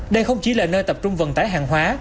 đây không chỉ là nơi tập trung vận tải hàng hóa